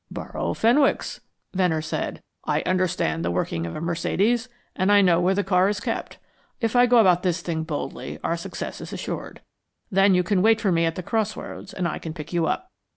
"Borrow Fenwick's," Venner said. "I understand the working of a Mercedes, and, I know where the car is kept. If I go about this thing boldly, our success is assured. Then you can wait for me at the cross roads and I can pick you up."